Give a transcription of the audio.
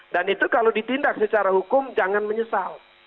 dan itu kalau ditindak secara hukum jangan menyesal